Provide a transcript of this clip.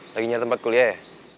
lagi nyari tempat kuliah ya